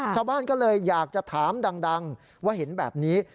ชาวบ้านก็เลยอยากจะถามดังว่าเห็นแบบนี้